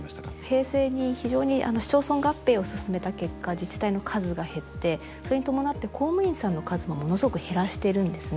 平成に非常に市町村合併を進めた結果自治体の数が減ってそれに伴って公務員さんの数もものすごく減らしてるんですね。